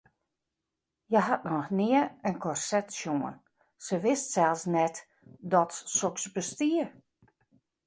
Hja hat noch nea in korset sjoen, se wist sels net dat soks bestie.